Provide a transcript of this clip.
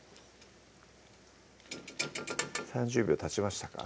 ３０秒たちましたか？